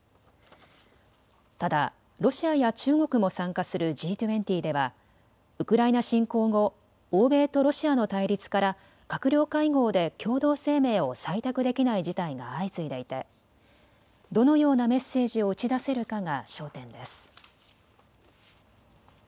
ただロシアや中国も参加するＧ２０ではウクライナ侵攻後、欧米とロシアの対立から閣僚会合で共同声明を採択できない事態が相次いでいてどのようなメッセージを打ち出せるかが焦点です。